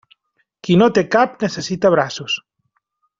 Qui no té cap necessita braços.